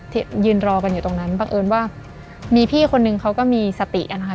ยืนรอกันอยู่ตรงนั้นบังเอิญว่ามีพี่คนนึงเขาก็มีสติกันนะคะ